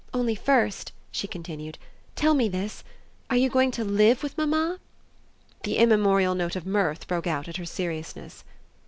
"Only first," she continued, "tell me this. Are you going to LIVE with mamma?" The immemorial note of mirth broke out at her seriousness.